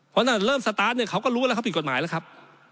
เพราะถ้าเริ่มสตาร์ทเนี่ยเขาก็รู้แล้วเขาผิดกฎหมายแล้วครับ